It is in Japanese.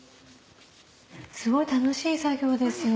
すごい楽しい作業ですよね。